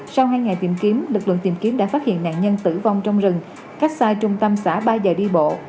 sau hai ngày tìm kiếm lực lượng tìm kiếm đã phát hiện nạn nhân tử vong trong rừng cách xa trung tâm xã ba giờ đi bộ